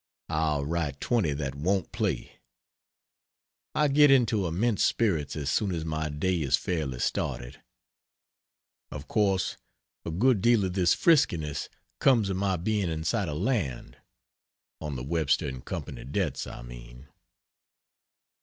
I'll write twenty that won't play. I get into immense spirits as soon as my day is fairly started. Of course a good deal of this friskiness comes of my being in sight of land on the Webster & Co. debts, I mean.